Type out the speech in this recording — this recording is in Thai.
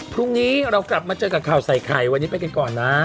พรุ่งนี้เรากลับมาเจอกับข่าวใส่ไข่วันนี้ไปกันก่อนนะ